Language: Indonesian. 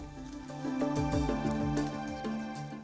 kami berjalan menuju dataran tinggi didampingi beberapa warga pulau romang